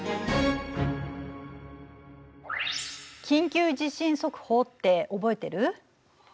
「緊急地震速報」って覚えてる？